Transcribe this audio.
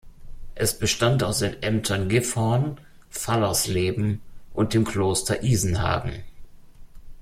Es bestand aus den Ämtern Gifhorn, Fallersleben und dem Kloster Isenhagen.